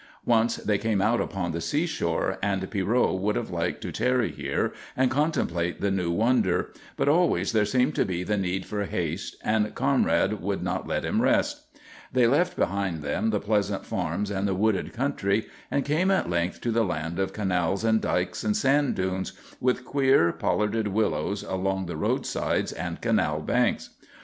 Once they came out upon the seashore, and Pierrot would have liked to tarry here and contemplate the new wonder, but always there seemed to be the need for haste and Conrad would not let him rest. They left behind them the pleasant farms and the wooded country and came at length to the land of canals and dykes and sand dunes, with queer, pollarded willows along the roadsides and canal banks.